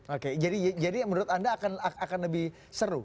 oke jadi menurut anda akan lebih seru